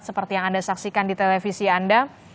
seperti yang anda saksikan di televisi anda